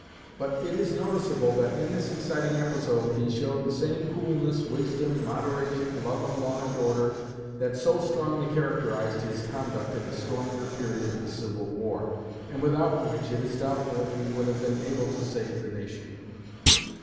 But it is noticeable that in this exciting episode he showed the same coolness, wisdom, moderation, love of law and order that so strongly characterized his conduct in the stormier period of the Civil War, and without which it is doubtful if he would have been able to save the nation.